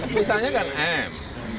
misalnya kan m